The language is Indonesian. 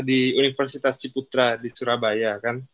di universitas ciputra di surabaya kan